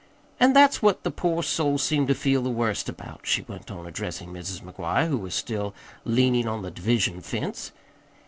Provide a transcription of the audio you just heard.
An' that's what the poor soul seemed to feel the worst about," she went on, addressing Mrs. McGuire, who was still leaning on the division fence.